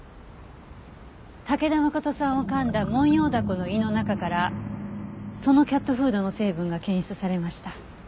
武田誠さんを噛んだモンヨウダコの胃の中からそのキャットフードの成分が検出されました。